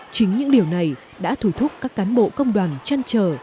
chính những điều này đã thổi thúc các cán bộ công đoàn chăn trở